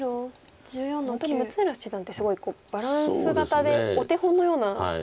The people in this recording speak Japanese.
本当に六浦七段ってすごいバランス型でお手本のような碁ですよね。